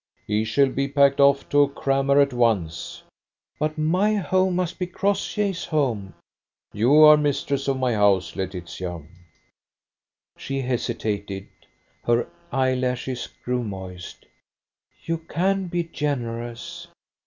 "He shall be packed off to a crammer at once." "But my home must be Crossjay's home." "You are mistress of my house, Laetitia." She hesitated. Her eyelashes grew moist. "You can be generous."